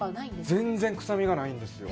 全然臭みがないんですよ。